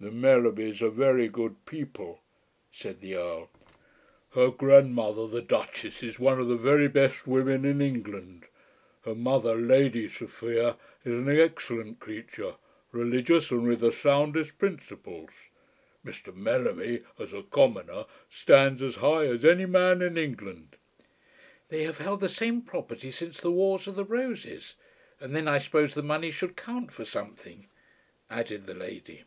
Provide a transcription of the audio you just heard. "The Mellerbys are very good people," said the Earl. "Her grandmother, the duchess, is one of the very best women in England. Her mother, Lady Sophia, is an excellent creature, religious, and with the soundest principles. Mr. Mellerby, as a commoner, stands as high as any man in England." "They have held the same property since the wars of the roses. And then I suppose the money should count for something," added the lady.